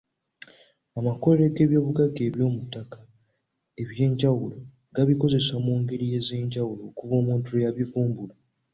Amakolero g'ebyobugagga eby'omu ttaka eby'enjawulo gabikozesezza mu ngeri ez'enjawulo okuva omuntu lwe yabivumbula